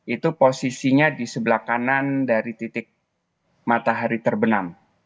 itu posisinya di sebelah kanan dari titik matahari terbenam